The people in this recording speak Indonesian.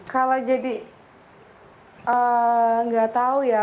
kalau jadi nggak tahu ya